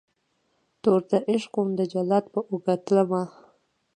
توردعشق وم دجلاد په اوږو تلمه